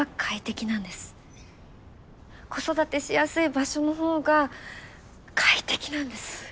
子育てしやすい場所のほうが快適なんです。